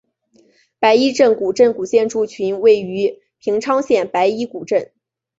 白衣古镇古建筑群位于平昌县白衣古镇。